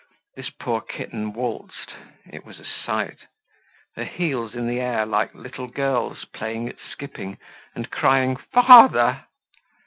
This poor kitten waltzed. It was a sight! Her heels in the air like little girls playing at skipping, and crying "Father!"